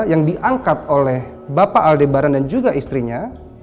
yang diangkat oleh bapak aldebaran dan juga istrinya